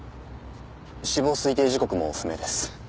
死亡推定時刻も不明です。